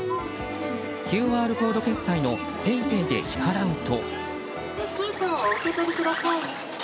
ＱＲコード決済のＰａｙＰａｙで支払うと。